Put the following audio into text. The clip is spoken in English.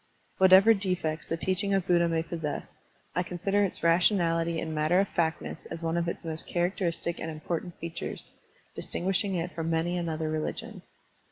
Whatever defects the teaching of Buddha may possess, I consider its rationality and matter of factness as one of its most characteristic and important features, distinguishing it from many another religion.